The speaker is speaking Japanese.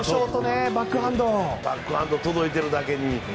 バックハンドが届いてるだけに。